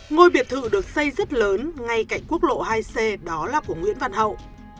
ngôi biệt thự được xây rất lớn ngay cạnh quốc lộ hai c đó là của nguyễn văn hậu